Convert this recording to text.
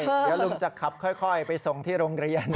เดี๋ยวลุงจะขับค่อยไปส่งที่โรงเรียน